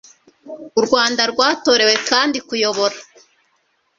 u rwanda rwatorewe kandi kuyobora